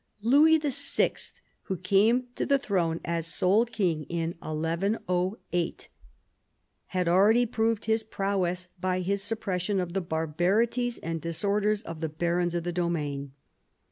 Louis VI., who came to the throne as sole king in 1108, had already proved his prowess by his suppression of the barbarities and disorders of the barons of the domain.